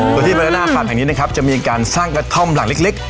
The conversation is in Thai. อ๋อโดยที่บรรณฟาร์มแห่งนี้นะครับจะมีการสร้างกระท่อมหลังเล็กเล็ก